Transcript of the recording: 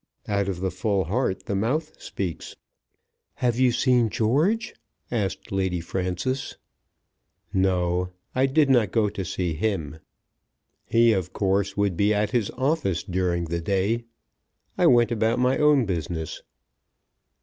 Out of the full heart the mouth speaks. "Have you seen George?" asked Lady Frances. "No; I did not go to see him. He, of course, would be at his office during the day. I went about my own business."